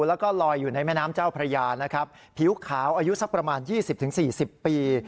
แล้วก็ลอยอยู่ในแม่น้ำเจ้าพระยานะครับผิวขาวอายุสักประมาณ๒๐๔๐ปี